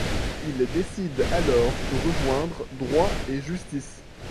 Il décide alors de rejoindre Droit et justice.